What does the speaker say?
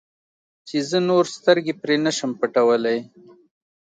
چې زه نور سترګې پرې نه شم پټولی.